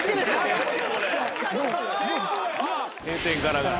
閉店ガラガラ。